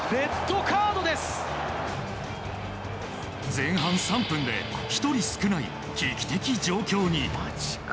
前半３分で１人少ない危機的状況に。